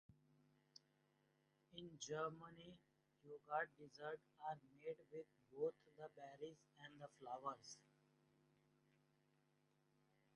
In Germany, yoghurt desserts are made with both the berries and the flowers.